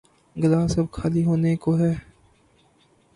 Glass اب خالی ہونے کو ہے۔